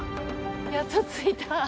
やっと着いた。